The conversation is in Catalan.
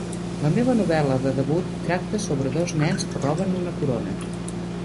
La meva novel·la de debut tracta sobre dos nens que roben una corona.